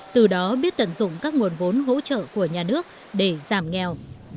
từ đó biết tận dụng các nguồn vốn hỗ trợ của nhà nước để giảm nghèo